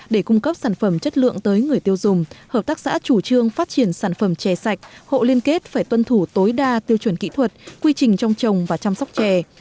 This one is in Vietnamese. để cung cấp sản phẩm chất lượng tới người tiêu dùng hợp tác xã chủ trương phát triển sản phẩm chè sạch hộ liên kết phải tuân thủ tối đa tiêu chuẩn kỹ thuật quy trình trong trồng và chăm sóc chè